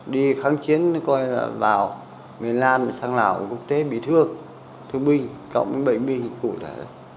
đi kháng chiến coi là vào miền nam sang lào quốc tế bị thương thương binh cộng với bệnh binh cụ thể